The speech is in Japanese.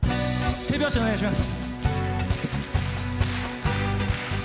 手拍子お願いします！